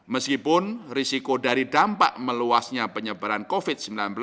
meskipun risiko dari dampak meluasnya penyebaran covid sembilan belas